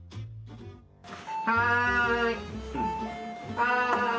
はい！